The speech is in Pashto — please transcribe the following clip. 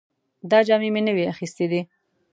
دا جامې مې نوې اخیستې دي